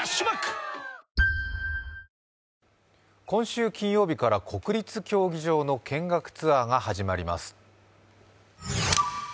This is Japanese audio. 今週金曜日から国立競技場の見学ツアーが始まります。